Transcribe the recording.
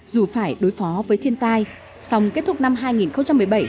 dù phải đối phó với thiên tai song kết thúc năm hai nghìn một mươi bảy